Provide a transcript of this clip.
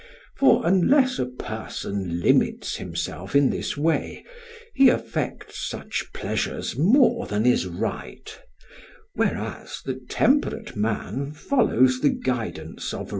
For unless a person limits himself in this way, he affects such pleasures more than is right, whereas the temperate man follows the guidance of right reason."